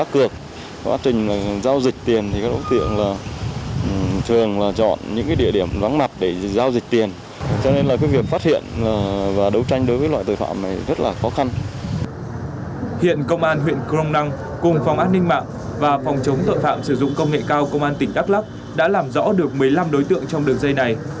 các tội phạm sử dụng công nghệ cao công an tỉnh đắk lắk đã làm rõ được một mươi năm đối tượng trong đường dây này